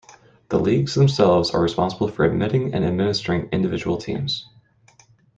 The leagues themselves are responsible for admitting and administering individual teams.